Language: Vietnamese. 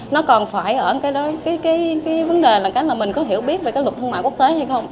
nó còn phải ở cái vấn đề là mình có hiểu biết về luật thương mại quốc tế hay không